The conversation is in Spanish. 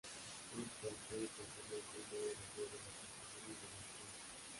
No obstante, concluyó que el modo de juego era funcional y divertido.